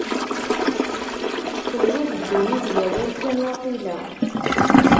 Tenwiḍ ddunit d awal kan, waqila?